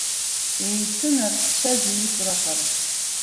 Еицын арҳәцәа жәаҩык раҟара.